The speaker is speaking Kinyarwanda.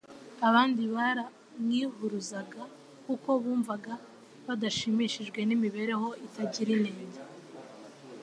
abandi baramwihuruzaga kuko bumvaga badashimishijwe n'imibereho itagira inenge.